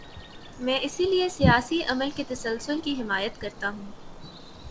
میں اسی لیے سیاسی عمل کے تسلسل کی حمایت کرتا ہوں۔